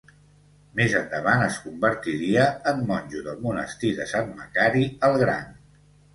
Més endavant es convertiria en monjo del Monestir de Sant Macari el Gran.